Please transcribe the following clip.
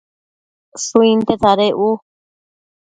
Shuinte tsadec u